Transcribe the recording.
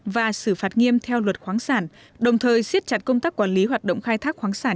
và xử phạt nghiêm theo luật khoáng sản đồng thời siết chặt công tác quản lý hoạt động khai thác khoáng sản